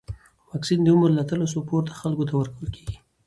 واکسن د عمر له اتلسو پورته خلکو ته ورکول کېږي.